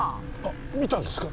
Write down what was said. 見たんですか？